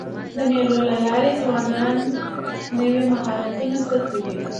د مېلو له لاري ځوانان نوي مهارتونه زده کوي.